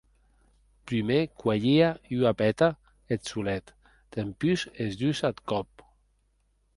Prumèr cuelhie ua peta eth solet, dempús es dus ath còp.